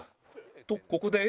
とここで